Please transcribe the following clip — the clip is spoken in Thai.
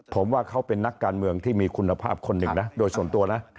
ผมว่าเขาเป็นนักการเมืองที่มีคุณภาพคนหนึ่งนะโดยส่วนตัวนะ